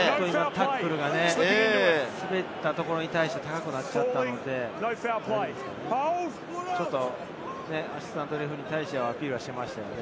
タックルが滑ったところに対して高くなっちゃったので、ちょっとアシスタントレフェリーに対してアピールしていましたね。